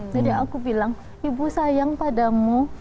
jadi aku bilang ibu sayang padamu